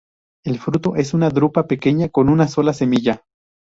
El fruto es una drupa pequeña con una sola semilla.